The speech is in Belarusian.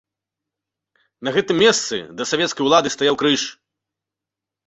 На гэтым месцы да савецкай улады стаяў крыж.